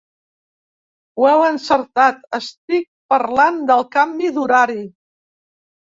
Ho heu encertat estic parlant del canvi d’horari.